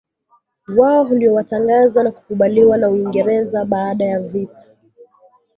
wao uliotangazwa na kukubaliwa na Uingereza baada ya vita